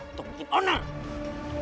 untuk bikin oneng